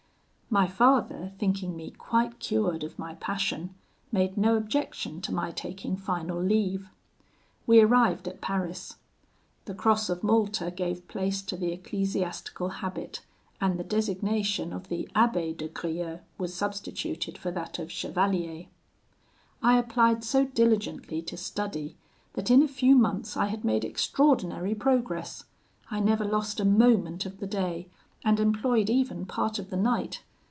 "My father, thinking me quite cured of my passion, made no objection to my taking final leave. We arrived at Paris. The Cross of Malta gave place to the ecclesiastical habit, and the designation of the Abbé de Grieux was substituted for that of chevalier. I applied so diligently to study, that in a few months I had made extraordinary progress. I never lost a moment of the day, and employed even part of the night.